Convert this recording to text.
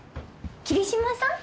桐島さん？